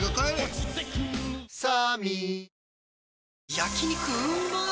焼肉うまっ